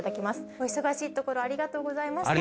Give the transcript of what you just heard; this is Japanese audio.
お忙しいところありがとうございました。